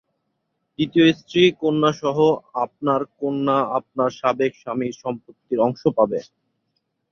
দ্বিতীয় স্ত্রী, কন্যাসহ আপনার কন্যা আপনার সাবেক স্বামীর সম্পত্তির অংশ পাবে।